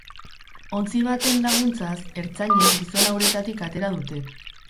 Ontzi baten laguntzaz, ertzainek gizona uretatik atera dute.